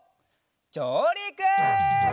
じょうりく！